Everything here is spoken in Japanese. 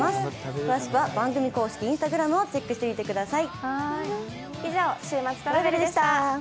詳しくは番組公式Ｉｎｓｔａｇｒａｍをチェックしてみてください。